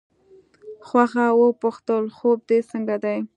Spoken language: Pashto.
خوښه وپوښتل خوب دې څنګه دی.